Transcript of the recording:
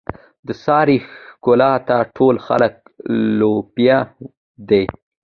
د سارې ښکلاته ټول خلک لولپه دي.